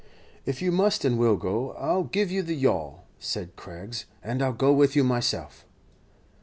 "If you must and will go, I'll give you the yawl," said Craggs; "and I 'll go with you myself."